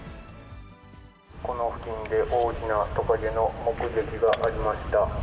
この付近で大きなトカゲの目撃がありました。